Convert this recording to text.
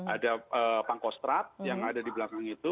ada pangkostrat yang ada di belakang itu